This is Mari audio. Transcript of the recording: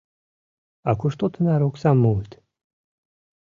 — А кушто тынар оксам муыт?